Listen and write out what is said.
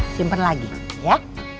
simpen lagi ya